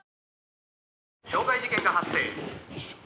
傷害事件が発生。